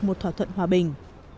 một thỏa thuận hòa bình